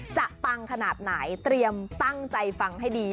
ปังขนาดไหนเตรียมตั้งใจฟังให้ดี